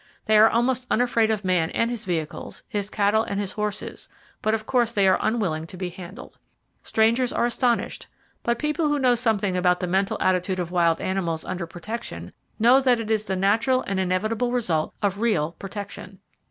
They are almost unafraid of man and his vehicles, his cattle and his horses, but of course they are unwilling to be handled. Strangers are astonished; but people who know something about the mental attitude of wild animals under protection know that it is the natural and inevitable result of real protection.